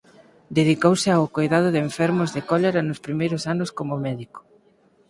Dedicouse ao coidado de enfermos de cólera nos primeiros anos como médico.